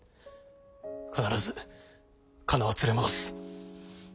必ずカナを連れ戻す。